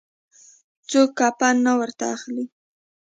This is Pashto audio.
څوک کفن نه ورته اخلي.